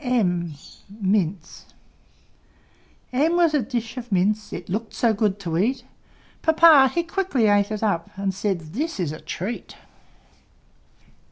M M was a dish of mince; It looked so good to eat! Papa, he quickly ate it up, And said, "This is a treat!"